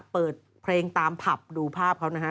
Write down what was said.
เปิดเพลงตามผับดูภาพเขานะฮะ